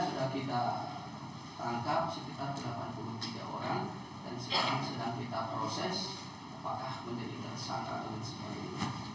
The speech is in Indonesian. sudah kita tangkap sekitar delapan puluh tiga orang dan sekarang sedang kita proses apakah menjadi tersangka dan sebagainya